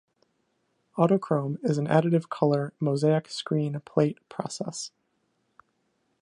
Autochrome is an additive color "mosaic screen plate" process.